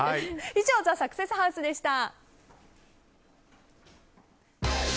以上ＴＨＥサクセスハウスでした。